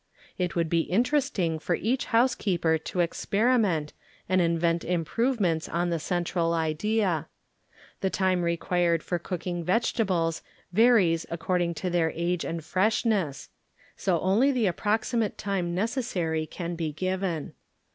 It would be interesting for each housekeeper to experiment and invent improvements on the central idea. The time required for cooking vegetables varies according to their age and fresh 6 ,iŌĆ×Cooglc CLABSIPIBD BUSINESS DIEEGTOBY ness, so only the approximate time neces sary can be given.